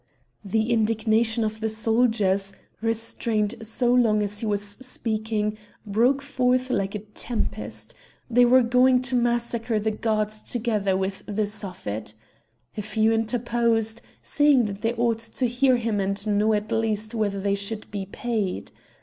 The indignation of the soldiers, restrained so long as he was speaking, broke forth like a tempest; they were going to massacre the guards together with the Suffet. A few interposed, saying that they ought to hear him and know at least whether they should be paid.